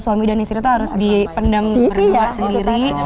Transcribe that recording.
suami dan istri itu harus dipendamkan sendiri